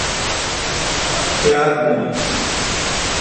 کیا تہ بون،،؟